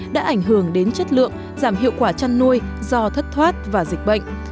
đã ảnh hưởng đến chất lượng giảm hiệu quả chăn nuôi do thất thoát và dịch bệnh